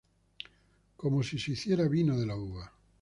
Como si se hiciera vino de la uva.